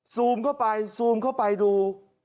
ซูมเข้าไปซูมเข้าไปดู